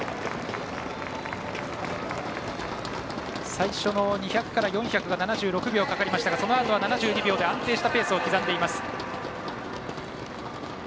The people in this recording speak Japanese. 最初の２００から４００が時間がかかりましたがそのあとは７２秒で安定したペースで進んでいます。